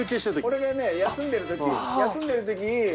俺がね休んでる時休んでる時に。